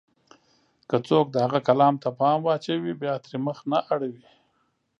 که څوک د هغه کلام ته پام واچوي، بيا ترې مخ نه اړوي.